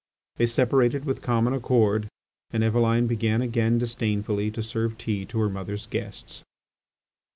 They separated with common accord and Eveline began again disdainfully to serve tea to her mother's guests.